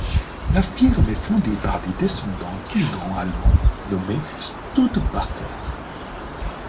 La firme est fondée par des descendants d'immigrants allemands nommés Studebaker.